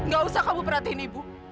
gak usah kamu perhatiin ibu